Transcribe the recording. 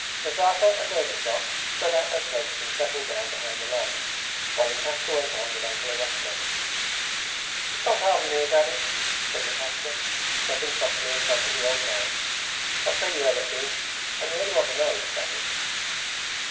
Nazarka and Ergushov spread out their cloaks and settled down behind the log, while Lukashka went on with Uncle Eroshka. 'It's not far from here. Daddy,' said Lukashka, stepping softly in front of the old man; 'I'll show you where they've been I'm the only one that knows. Daddy.'